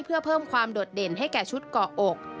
เพื่อเพิ่มความโดดเด่นให้แก่ชุดเกาะอก